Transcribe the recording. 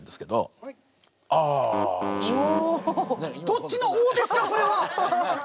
どっちの「お！」ですかこれは。